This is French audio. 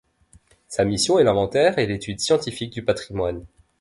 Sa mission est l'inventaire et l'étude scientifique du patrimoine.